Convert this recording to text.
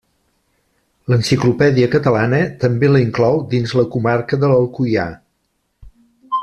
L'Enciclopèdia Catalana també la inclou dins la comarca de l'Alcoià.